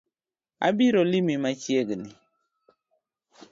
Abiro limi machiegni